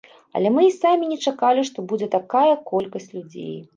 Але мы і самі не чакалі, што будзе такая колькасць людзей.